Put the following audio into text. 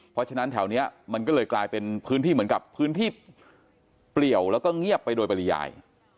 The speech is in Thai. เพราะฉะนั้นแถวนี้มันก็เลยกลายเป็นพื้นที่เหมือนกับพื้นที่เปลี่ยวแล้วก็เงียบไปโดยปริยาย